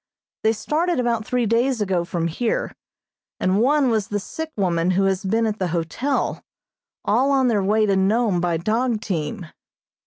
They started about three days ago from here, and one was the sick woman who has been at the hotel, all on their way to Nome by dog team.